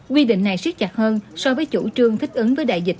quy định này siết chặt hơn so với chủ trương thích ứng với đại dịch